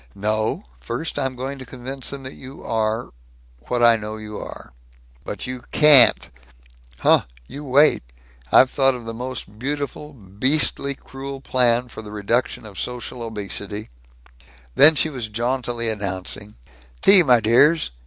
"No; first I'm going to convince them that you are what I know you are." "But you can't." "Huh! You wait! I've thought of the most beautiful, beastly cruel plan for the reduction of social obesity " Then she was jauntily announcing, "Tea, my dears.